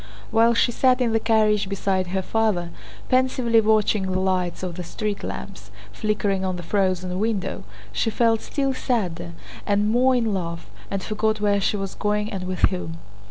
While she sat in the carriage beside her father, pensively watching the lights of the street lamps flickering on the frozen window, she felt still sadder and more in love, and forgot where she was going and with whom.